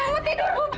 ibu mau tidur